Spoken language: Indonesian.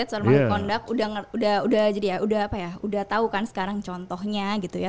soal maklumat kondak sudah tahu kan sekarang contohnya gitu ya